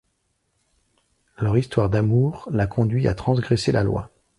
Leur histoire d'amour la conduit à transgresser la loi.